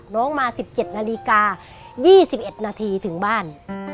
น้องมา๑๗นาฬิกา๒๑นาทีถึงบ้าน